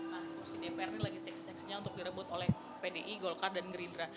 nah kursi dpr ini lagi seksi seksinya untuk direbut oleh pdi golkar dan gerindra